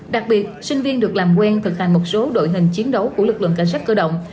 đặc biệt sinh viên được làm quen thực hành một số đội hình chiến đấu của lực lượng cảnh sát cơ động